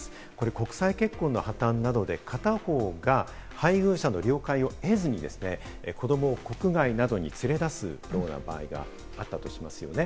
国際結婚の破綻などで、片方が配偶者の了解を得ずに、子どもを国外などに連れ出す場合があったとしますよね。